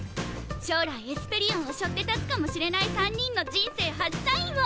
将来エスペリオンをしょって立つかもしれない３人の人生初サインを！